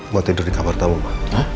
gue tidur di kamar tamu pa